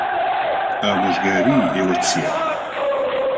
ئامۆژگاریی ئێوە چییە؟